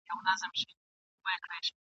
له خپل تخته را لوېدلی چي سرکار وي ..